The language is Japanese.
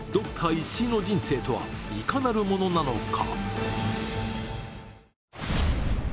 石井の人生とはいかなるものなのか？